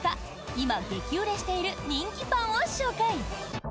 今、激売れしている人気パンを紹介。